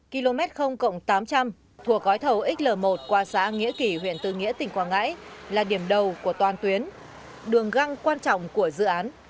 km tám trăm linh thuộc gói thầu xl một qua xã nghĩa kỷ huyện tư nghĩa tỉnh quảng ngãi là điểm đầu của toàn tuyến đường găng quan trọng của dự án